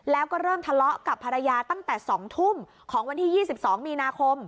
แล้วก็เริ่มทะเลาะกับภรรยาตั้งแต่๒ทุ่มของวันที่๒๒มีนาคม